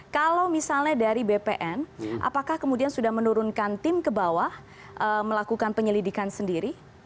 kalau misalnya dari bpn apakah kemudian sudah menurunkan tim ke bawah melakukan penyelidikan sendiri